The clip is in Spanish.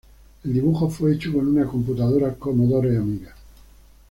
El dibujo fue hecho con una computadora Commodore Amiga.